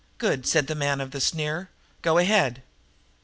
"Good," said the man of the sneer. "Go ahead."